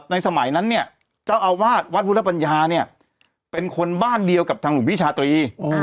สมัยนั้นเนี่ยเจ้าอาวาสวัดพุทธปัญญาเนี่ยเป็นคนบ้านเดียวกับทางหลวงพี่ชาตรี